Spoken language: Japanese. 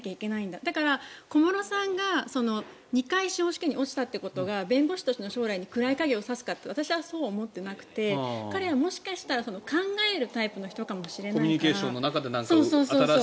だから、小室さんが試験に２回不合格になったことが弁護士としての将来に暗い影を差すかというと私はそうは思わなくて彼はもしかしたら考えるタイプの人かもしれないから。